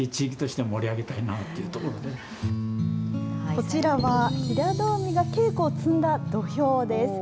こちらは、平戸海が稽古を積んだ土俵です。